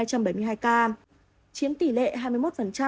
chiếm tỷ lệ hai mươi một trong tổng số ca ung thư